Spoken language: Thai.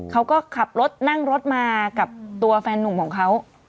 เขาก็ขับรถนั่งรถมากับตัวแฟนนุ่มของเขา